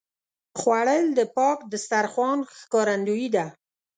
خوړل د پاک دسترخوان ښکارندویي ده